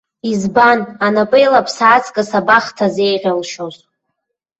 Избан анапеилаԥса аҵкыс абахҭа зеиӷьалшьоз?